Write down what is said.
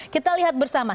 kita lihat bersama